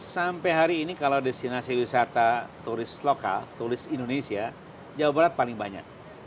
sampai hari ini kalau destinasi wisata turis lokal tulis indonesia jawa barat paling banyak